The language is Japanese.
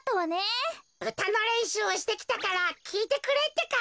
うたのれんしゅうをしてきたからきいてくれってか。